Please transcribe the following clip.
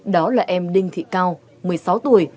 đó là em đinh thị cao một mươi sáu tuổi